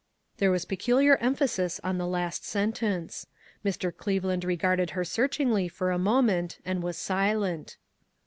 There was peculiar emphasis in the last sentence. Mr. Cleveland regarded her search ingly for a moment and was silent.